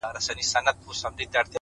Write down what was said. چي مرور نه یم ـ چي در پُخلا سم تاته ـ